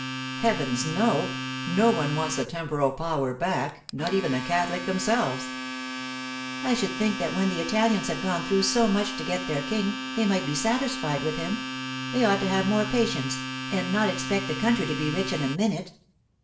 'Heavens, no! No one wants the temporal power back—not even the Catholics themselves.' 'I should think that when the Italians have gone through so much to get their king, they might be satisfied with him. They ought to have more patience, and not expect the country to be rich in a minute.